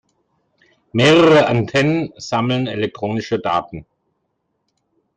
Mehrere Antennen sammeln elektronische Daten.